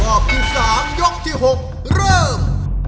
รอบที่๓ยกที่๖เริ่ม